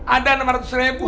ada enam ratus ribu